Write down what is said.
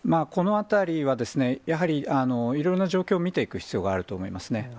このあたりはですね、やはりいろいろな状況を見ていく必要があると思いますね。